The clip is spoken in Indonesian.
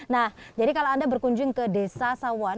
nah jadi kalau anda berkunjung ke desa sawon